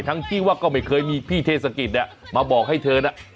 ทั้งที่ว่าก็ไม่เคยมีพี่เทศกิจเนี่ยมาบอกให้เธอน่ะ